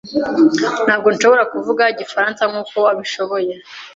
Ntabwo nshobora kuvuga igifaransa nkuko abishoboye.